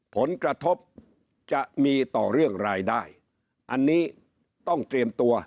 ผลกระทบจะมีต่อเรื่องรายได้อันนี้ต้องเตรียมตัว